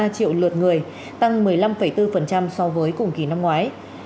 một mươi sáu ba triệu lượt người tăng một mươi năm bốn so với cùng kỳ năm ngoái